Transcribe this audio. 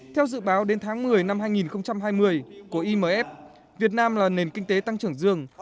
theo dự báo đến tháng một mươi năm hai nghìn hai mươi của imf việt nam là nền kinh tế tăng trưởng dương